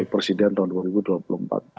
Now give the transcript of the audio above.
presiden tahun dua ribu dua puluh empat